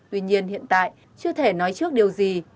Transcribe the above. tuy nhiên hiện tại chưa thể nói trước điều gì